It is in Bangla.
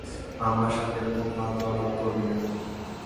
আমার সাথে এরকম ফালতু আলাপ করবি না।